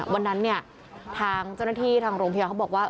วันนั้นเนี่ยทางเจ้าหน้าที่ทางโรงพยาบาลเขาบอกว่า